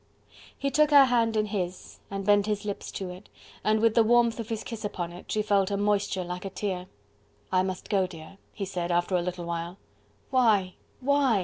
He took her hand in his, and bent his lips to it, and with the warmth of his kiss upon it, she felt a moisture like a tear. "I must go, dear," he said, after a little while. "Why? Why?"